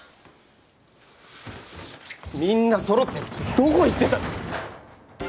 みんなそろってどこ行ってた。